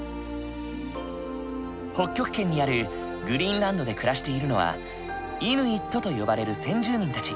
北極圏にあるグリーンランドで暮らしているのはイヌイットと呼ばれる先住民たち。